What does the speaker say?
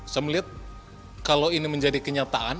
saya melihat kalau ini menjadi kenyataan